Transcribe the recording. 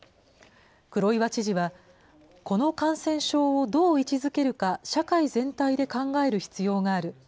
黒岩知事は、この感染症をどう位置づけるか社会全体で考える必要がある。